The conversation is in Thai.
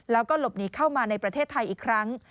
แล้วก็หลบหนีเข้ามาในประเทศไทยอีกครั้ง